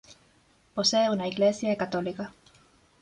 Posee una iglesia católica.